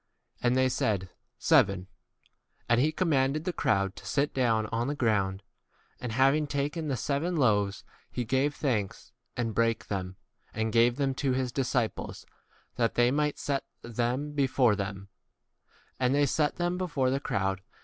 And they said, 6 Seven. And he commanded the crowd to sit down on the ground. And having taken the seven loaves, he gave thanks, and brake [them] and gave [them] to his disciples, that they might set [them] before [them]. And they 7 set them before the crowd.